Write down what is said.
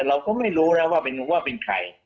เราก็ไม่รู้นะว่าเป็นใคร